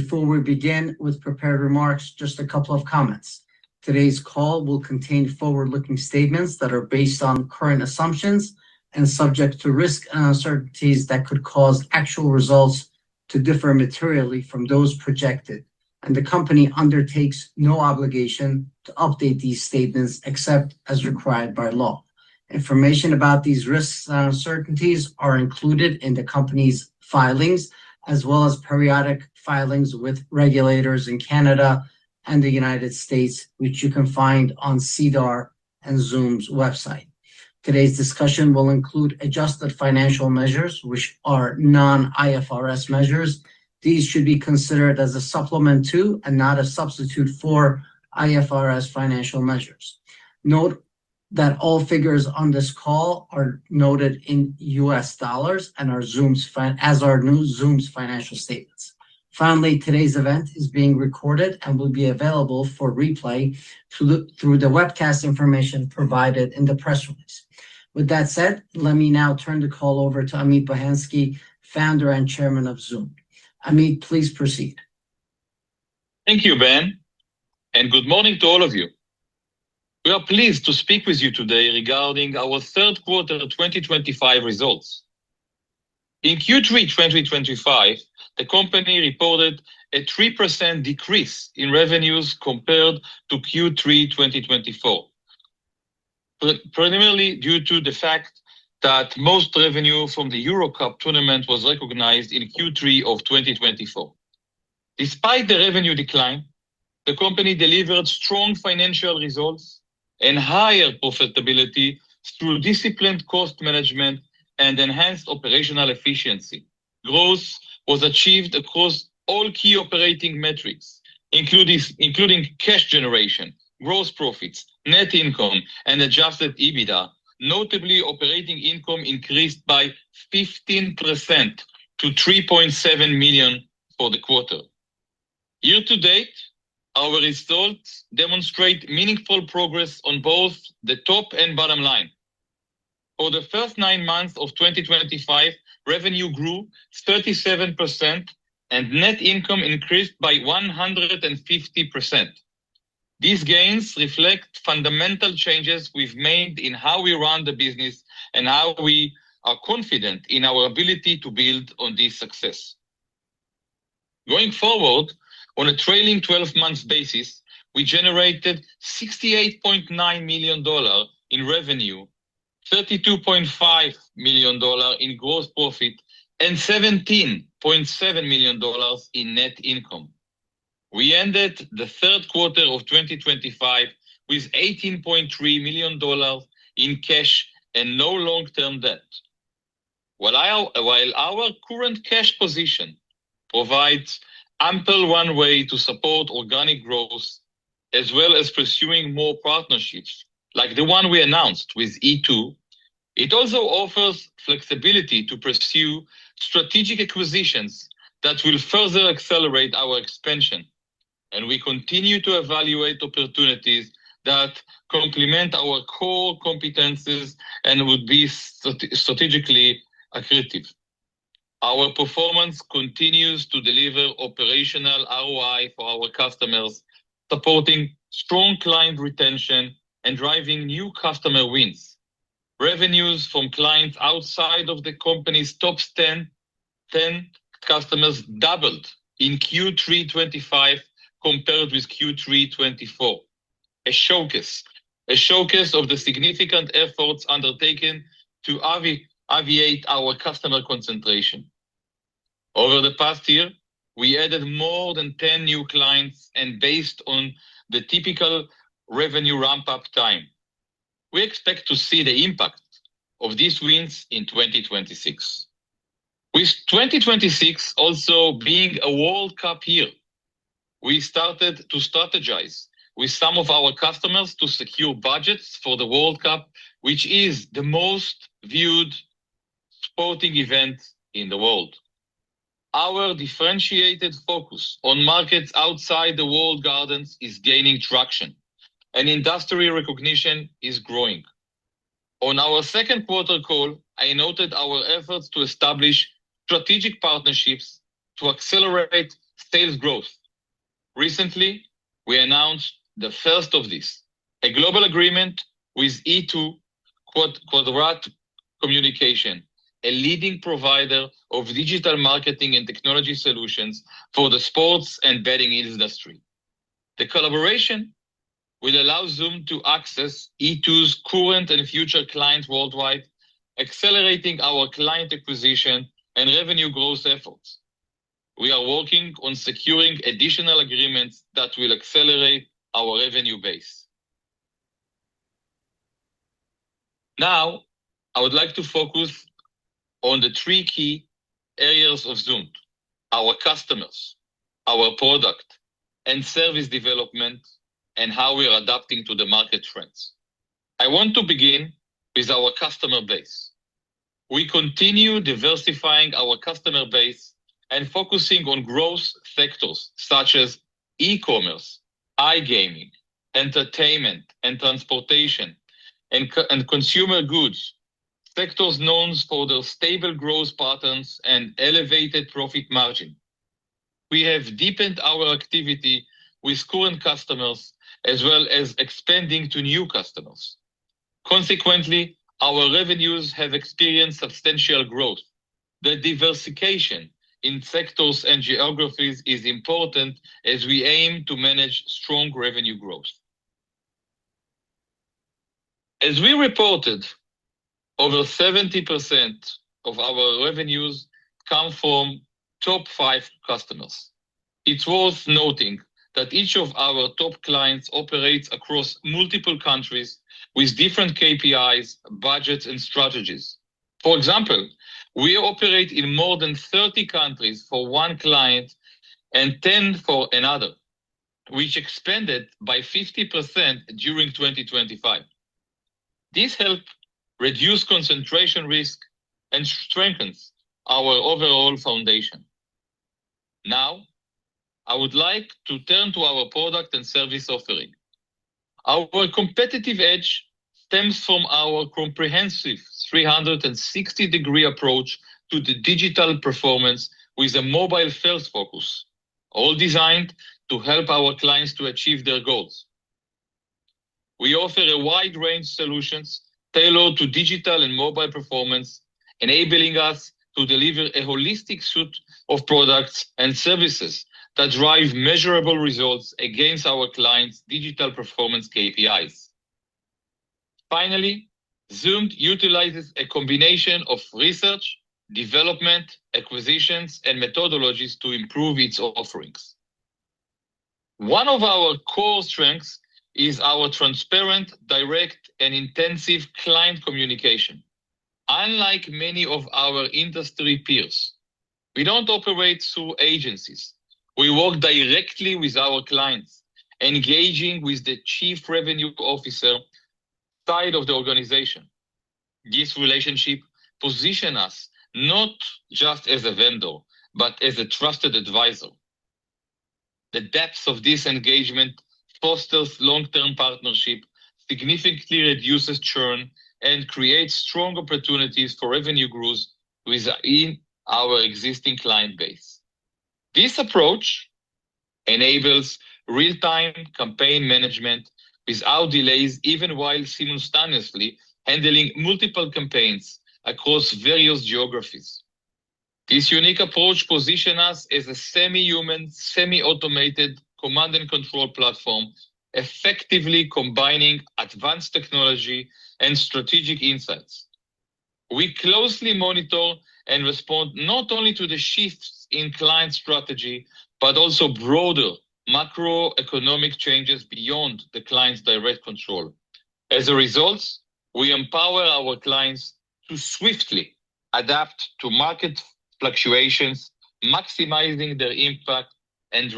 Before we begin with prepared remarks, just a couple of comments. Today's call will contain forward-looking statements that are based on current assumptions and subject to risk and uncertainties that could cause actual results to differ materially from those projected. The company undertakes no obligation to update these statements except as required by law. Information about these risks and uncertainties are included in the company's filings, as well as periodic filings with regulators in Canada and the United States, which you can find on SEDAR and Zoomd's website. Today's discussion will include adjusted financial measures, which are non-IFRS measures. These should be considered as a supplement to and not a substitute for IFRS financial measures. Note that all figures on this call are noted in US dollars and are as are Zoomd's financial statements. Finally, today's event is being recorded and will be available for replay through the webcast information provided in the press release. With that said, let me now turn the call over to Amit Bohensky, Founder and Chairman of Zoomd. Amit, please proceed. Thank you, Ben, and good morning to all of you. We are pleased to speak with you today regarding our third quarter 2025 results. In Q3 2025, the company reported a 3% decrease in revenues compared to Q3 2024, primarily due to the fact that most revenue from the EuroCup tournament was recognized in Q3 of 2024. Despite the revenue decline, the company delivered strong financial results and higher profitability through disciplined cost management and enhanced operational efficiency. Growth was achieved across all key operating metrics, including cash generation, gross profits, net income, and adjusted EBITDA, notably operating income increased by 15% to $3.7 million for the quarter. Year to date, our results demonstrate meaningful progress on both the top and bottom line. For the first nine months of 2025, revenue grew 37% and net income increased by 150%. These gains reflect fundamental changes we've made in how we run the business and how we are confident in our ability to build on this success. Going forward, on a trailing 12-month basis, we generated $68.9 million in revenue, $32.5 million in gross profit, and $17.7 million in net income. We ended the third quarter of 2025 with $18.3 million in cash and no long-term debt. While our current cash position provides ample runway to support organic growth as well as pursuing more partnerships like the one we announced with E2, it also offers flexibility to pursue strategic acquisitions that will further accelerate our expansion. We continue to evaluate opportunities that complement our core competencies and would be strategically accretive. Our performance continues to deliver operational ROI for our customers, supporting strong client retention and driving new customer wins. Revenues from clients outside of the company's top 10 customers doubled in Q3 2025 compared with Q3 2024, a showcase of the significant efforts undertaken to abate our customer concentration. Over the past year, we added more than 10 new clients and based on the typical revenue ramp-up time, we expect to see the impact of these wins in 2026. With 2026 also being a World Cup year, we started to strategize with some of our customers to secure budgets for the World Cup, which is the most viewed sporting event in the world. Our differentiated focus on markets outside the walled gardens is gaining traction, and industry recognition is growing. On our second quarter call, I noted our efforts to establish strategic partnerships to accelerate sales growth. Recently, we announced the first of this, a global agreement with E2-Quadrat Communication, a leading provider of digital marketing and technology solutions for the sports and betting industry. The collaboration will allow Zoomd to access E2's current and future clients worldwide, accelerating our client acquisition and revenue growth efforts. We are working on securing additional agreements that will accelerate our revenue base. Now, I would like to focus on the three key areas of Zoomd: our customers, our product, and service development, and how we are adapting to the market trends. I want to begin with our customer base. We continue diversifying our customer base and focusing on growth sectors such as e-commerce, iGaming, entertainment, and transportation, and consumer goods, sectors known for their stable growth patterns and elevated profit margin. We have deepened our activity with current customers as well as expanding to new customers. Consequently, our revenues have experienced substantial growth. The diversification in sectors and geographies is important as we aim to manage strong revenue growth. As we reported, over 70% of our revenues come from top five customers. It's worth noting that each of our top clients operates across multiple countries with different KPIs, budgets, and strategies. For example, we operate in more than 30 countries for one client and 10 for another, which expanded by 50% during 2025. This helped reduce concentration risk and strengthens our overall foundation. Now, I would like to turn to our product and service offering. Our competitive edge stems from our comprehensive 360-degree approach to the digital performance with a mobile-first focus, all designed to help our clients to achieve their goals. We offer a wide range of solutions tailored to digital and mobile performance, enabling us to deliver a holistic suite of products and services that drive measurable results against our clients' digital performance KPIs. Finally, Zoomd utilizes a combination of research, development, acquisitions, and methodologies to improve its offerings. One of our core strengths is our transparent, direct, and intensive client communication. Unlike many of our industry peers, we do not operate through agencies. We work directly with our clients, engaging with the Chief Revenue Officer side of the organization. This relationship positions us not just as a vendor, but as a trusted advisor. The depth of this engagement fosters long-term partnerships, significantly reduces churn, and creates strong opportunities for revenue growth within our existing client base. This approach enables real-time campaign management without delays, even while simultaneously handling multiple campaigns across various geographies. This unique approach positions us as a semi-human, semi-automated command-and-control platform, effectively combining advanced technology and strategic insights. We closely monitor and respond not only to the shifts in client strategy, but also broader macroeconomic changes beyond the client's direct control. As a result, we empower our clients to swiftly adapt to market fluctuations, maximizing their impact and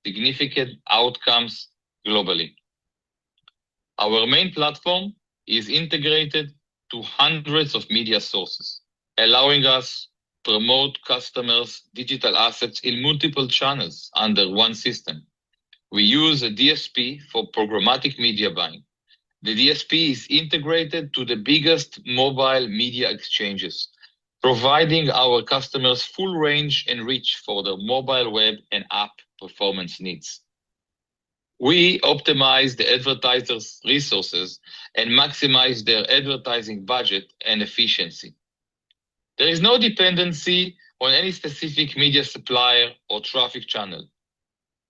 driving significant outcomes globally. Our main platform is integrated to hundreds of media sources, allowing us to promote customers' digital assets in multiple channels under one system. We use a DSP for programmatic media buying. The DSP is integrated to the biggest mobile media exchanges, providing our customers full range and reach for their mobile web and app performance needs. We optimize the advertisers' resources and maximize their advertising budget and efficiency. There is no dependency on any specific media supplier or traffic channel.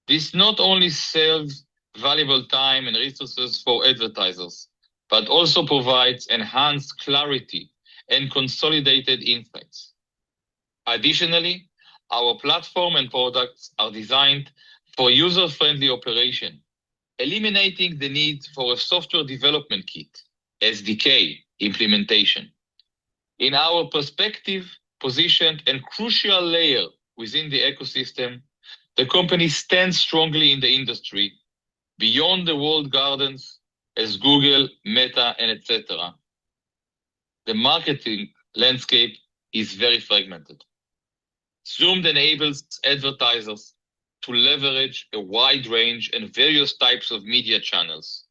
This not only saves valuable time and resources for advertisers, but also provides enhanced clarity and consolidated insights. Additionally, our platform and products are designed for user-friendly operation, eliminating the need for a software development kit as SDK implementation. In our perspective, positioned a crucial layer within the ecosystem, the company stands strongly in the industry beyond the walled gardens as Google, Meta, etc. The marketing landscape is very fragmented. Zoomd enables advertisers to leverage a wide range and various types of media channels,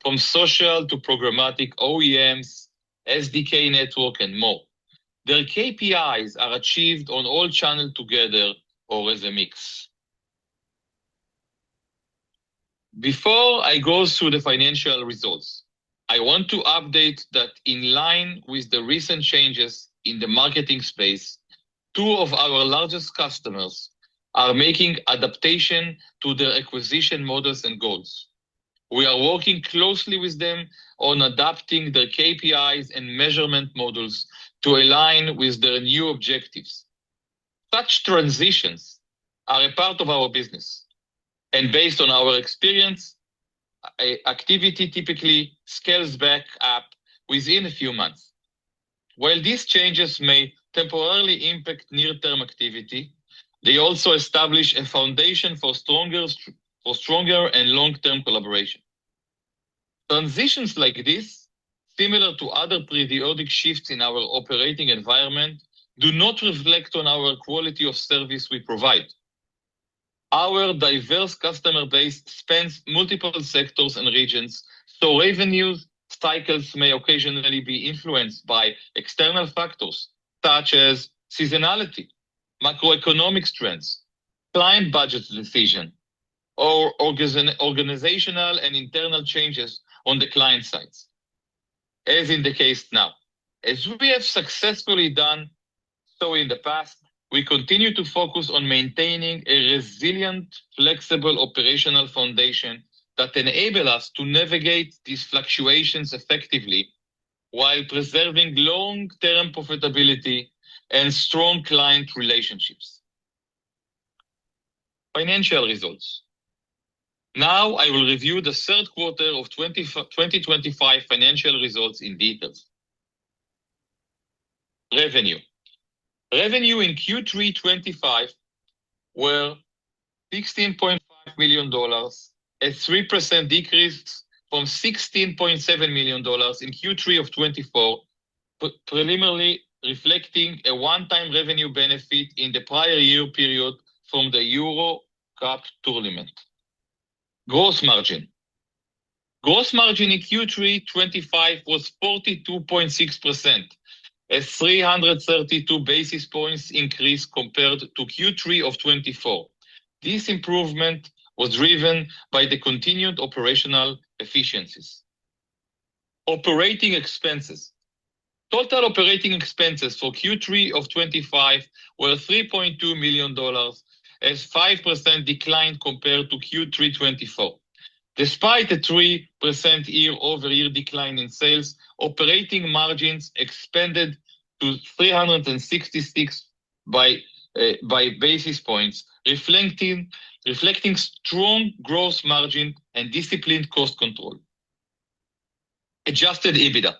from social to programmatic OEMs, SDK network, and more. Their KPIs are achieved on all channels together or as a mix. Before I go through the financial results, I want to update that in line with the recent changes in the marketing space, two of our largest customers are making adaptations to their acquisition models and goals. We are working closely with them on adapting their KPIs and measurement models to align with their new objectives. Such transitions are a part of our business, and based on our experience, activity typically scales back up within a few months. While these changes may temporarily impact near-term activity, they also establish a foundation for stronger and long-term collaboration. Transitions like this, similar to other periodic shifts in our operating environment, do not reflect on our quality of service we provide. Our diverse customer base spans multiple sectors and regions, so revenue cycles may occasionally be influenced by external factors such as seasonality, macroeconomic trends, client budget decisions, or organizational and internal changes on the client sides, as in the case now. As we have successfully done so in the past, we continue to focus on maintaining a resilient, flexible operational foundation that enables us to navigate these fluctuations effectively while preserving long-term profitability and strong client relationships. Financial results. Now, I will review the third quarter of 2025 financial results in detail. Revenue. Revenue in Q3 2025 was $16.5 million, a 3% decrease from $16.7 million in Q3 of 2024, preliminarily reflecting a one-time revenue benefit in the prior year period from the EuroCup tournament. Gross margin. Gross margin in Q3 2025 was 42.6%, a 332 basis points increase compared to Q3 of 2024. This improvement was driven by the continued operational efficiencies. Operating expenses. Total operating expenses for Q3 of 2025 were $3.2 million, a 5% decline compared to Q3 2024. Despite a 3% year-over-year decline in sales, operating margins expanded to 366 basis points, reflecting strong gross margin and disciplined cost control. Adjusted EBITDA.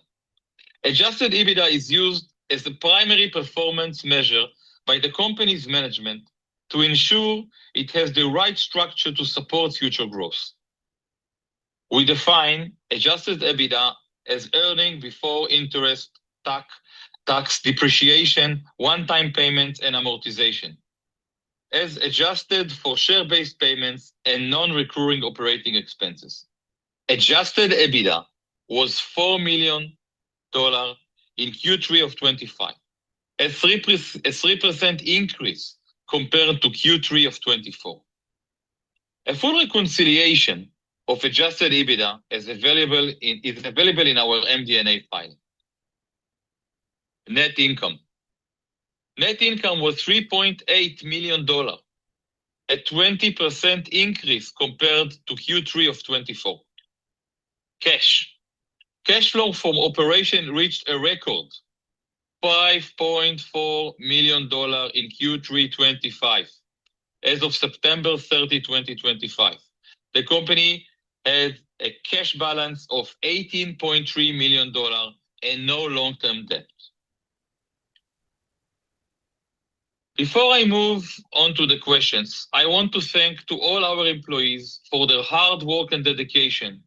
Adjusted EBITDA is used as the primary performance measure by the company's management to ensure it has the right structure to support future growth. We define adjusted EBITDA as earnings before interest, tax, depreciation, one-time payments, and amortization, as adjusted for share-based payments and non-recurring operating expenses. Adjusted EBITDA was $4 million in Q3 of 2025, a 3% increase compared to Q3 of 2024. A full reconciliation of adjusted EBITDA is available in our MD&A file. Net income. Net income was $3.8 million, a 20% increase compared to Q3 of 2024. Cash. Cash flow from operations reached a record $5.4 million in Q3 2025 as of September 30, 2025. The company has a cash balance of $18.3 million and no long-term debt. Before I move on to the questions, I want to thank all our employees for their hard work and dedication,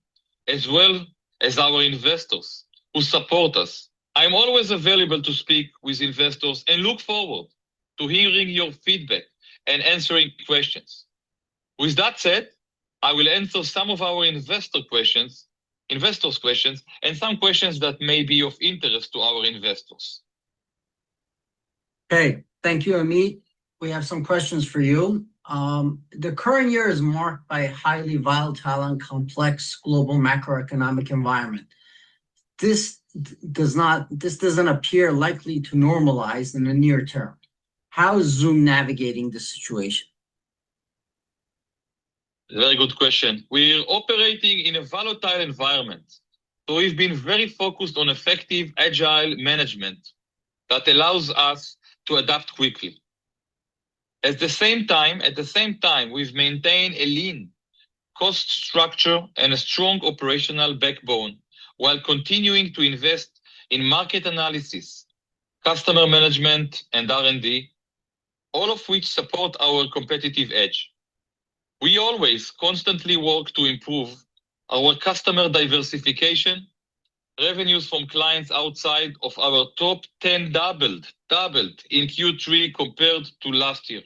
as well as our investors who support us. I'm always available to speak with investors and look forward to hearing your feedback and answering questions. With that said, I will answer some of our investors' questions and some questions that may be of interest to our investors. Okay. Thank you, Amit. We have some questions for you. The current year is marked by a highly volatile and complex global macroeconomic environment. This does not—this doesn't appear likely to normalize in the near term. How is Zoomd navigating this situation? Very good question. We're operating in a volatile environment, so we've been very focused on effective, agile management that allows us to adapt quickly. At the same time, we've maintained a lean cost structure and a strong operational backbone while continuing to invest in market analysis, customer management, and R&D, all of which support our competitive edge. We always constantly work to improve our customer diversification, revenues from clients outside of our top 10 doubled in Q3 compared to last year.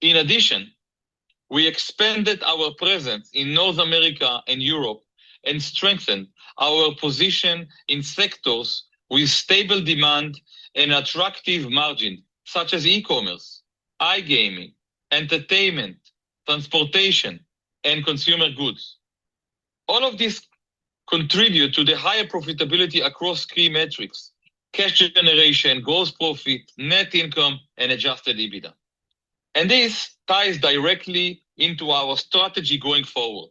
In addition, we expanded our presence in North America and Europe and strengthened our position in sectors with stable demand and attractive margins, such as e-commerce, iGaming, entertainment, transportation, and consumer goods. All of these contribute to the higher profitability across key metrics: cash generation, gross profit, net income, and adjusted EBITDA. This ties directly into our strategy going forward.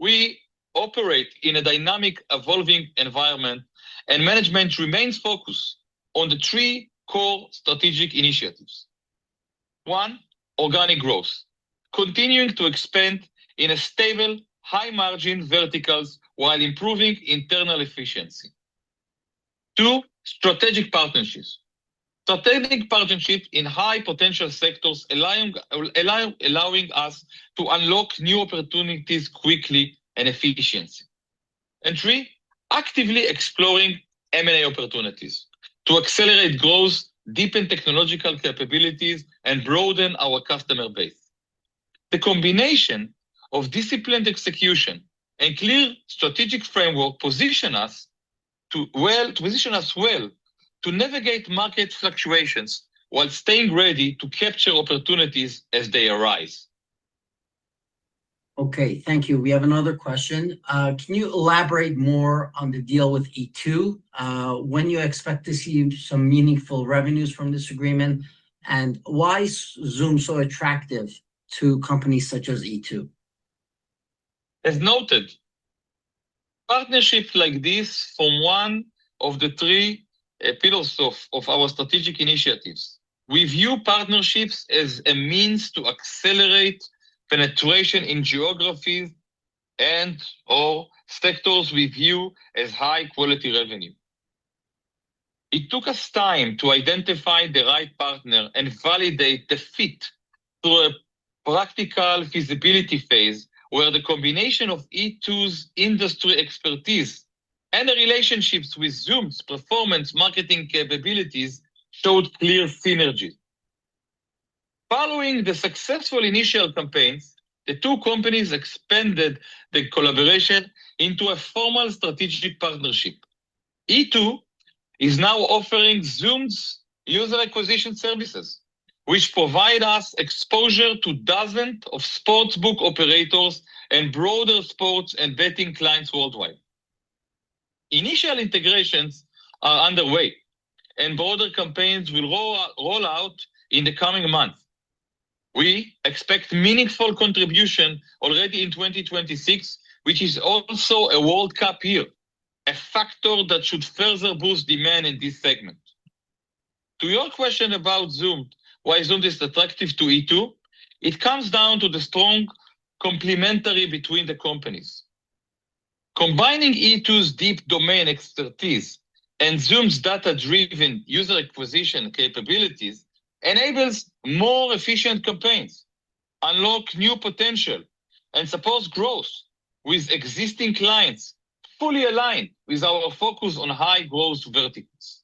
We operate in a dynamic, evolving environment, and management remains focused on the three core strategic initiatives. One, organic growth, continuing to expand in stable, high-margin verticals while improving internal efficiency. Two, strategic partnerships. Strategic partnerships in high-potential sectors, allowing us to unlock new opportunities quickly and efficiently. Three, actively exploring M&A opportunities to accelerate growth, deepen technological capabilities, and broaden our customer base. The combination of disciplined execution and a clear strategic framework positions us well to navigate market fluctuations while staying ready to capture opportunities as they arise. Okay. Thank you. We have another question. Can you elaborate more on the deal with E2? When do you expect to see some meaningful revenues from this agreement, and why is Zoomd so attractive to companies such as E2? As noted, partnerships like this are one of the three pillars of our strategic initiatives. We view partnerships as a means to accelerate penetration in geographies and/or sectors we view as high-quality revenue. It took us time to identify the right partner and validate the fit through a practical feasibility phase where the combination of E2's industry expertise and the relationships with Zoomd's performance marketing capabilities showed clear synergies. Following the successful initial campaigns, the two companies expanded the collaboration into a formal strategic partnership. E2 is now offering Zoomd's user acquisition services, which provide us exposure to dozens of sportsbook operators and broader sports and betting clients worldwide. Initial integrations are underway, and broader campaigns will roll out in the coming months. We expect meaningful contributions already in 2026, which is also a World Cup year, a factor that should further boost demand in this segment. To your question about Zoomd, why Zoomd is attractive to E2, it comes down to the strong complementarity between the companies. E2's deep domain expertise and Zoomd's data-driven user acquisition capabilities enables more efficient campaigns, unlocks new potential, and supports growth with existing clients fully aligned with our focus on high-growth verticals.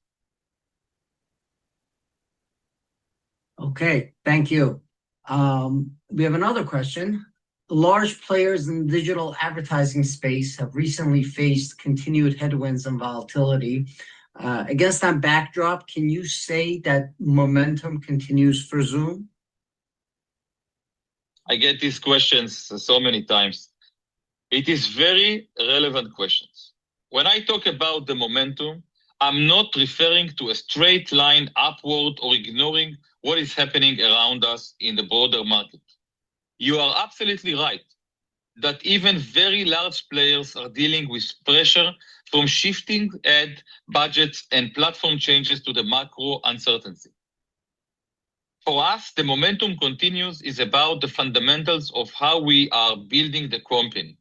Okay. Thank you. We have another question. Large players in the digital advertising space have recently faced continued headwinds and volatility. Against that backdrop, can you say that momentum continues for Zoomd? I get these questions so many times. It is very relevant questions. When I talk about the momentum, I'm not referring to a straight line upward or ignoring what is happening around us in the broader market. You are absolutely right that even very large players are dealing with pressure from shifting budgets and platform changes to the macro uncertainty. For us, the momentum continues is about the fundamentals of how we are building the company.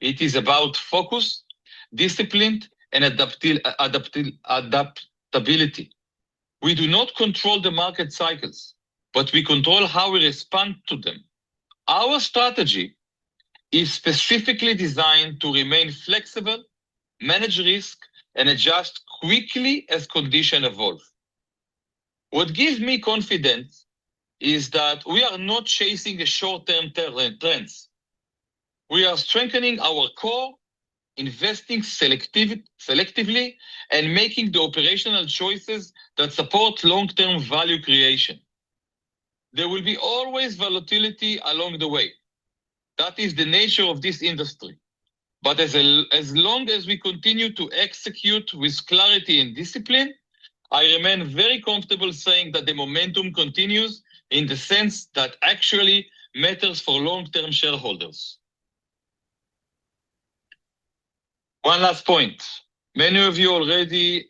It is about focus, discipline, and adaptability. We do not control the market cycles, but we control how we respond to them. Our strategy is specifically designed to remain flexible, manage risk, and adjust quickly as conditions evolve. What gives me confidence is that we are not chasing short-term trends. We are strengthening our core, investing selectively, and making the operational choices that support long-term value creation. There will always be volatility along the way. That is the nature of this industry. As long as we continue to execute with clarity and discipline, I remain very comfortable saying that the momentum continues in the sense that actually matters for long-term shareholders. One last point. Many of you are already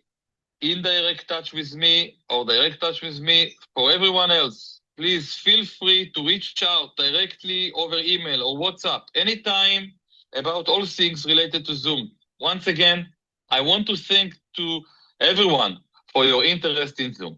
in direct touch with me. For everyone else, please feel free to reach out directly over email or WhatsApp anytime about all things related to Zoomd. Once again, I want to thank everyone for your interest in Zoomd.